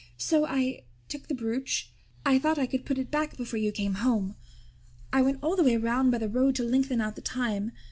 So I took the brooch. I thought I could put it back before you came home. I went all the way around by the road to lengthen out the time.